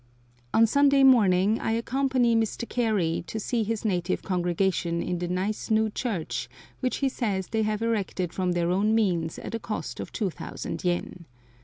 On Sunday morning I accompany Mr. Carey to see his native congregation in the nice new church which he says they have erected from their own means at a cost of two thousand yen.